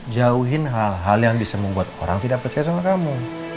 jauhin hal hal yang bisa membuat orang tidak percaya sama kamu